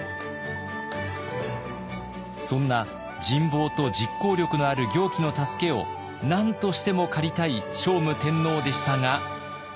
そんな人望と実行力のある行基の助けを何としても借りたい聖武天皇でしたが。